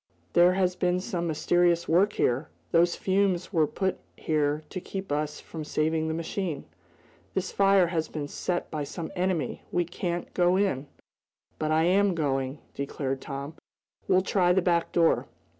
"There has been some mysterious work here! Those fumes were put here to keep us from saving the machine. This fire has been set by some enemy! We can't go in!" "But I am going!" declared Tom. "We'll try the back door."